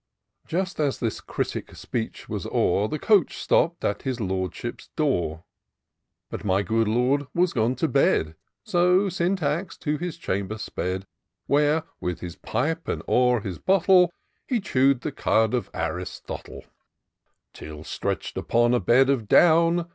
Just as this critic ^eech was o'er. The coach 8tc^*d at his Lotdship's door: Bat my good Laid was gone to bed ; So Syntax to Us chamber sped. Where, with Us pqpe, and o*er his bottle. He chew'd the cod of Aristotle, Hn, stretch'd i^on a bed of down.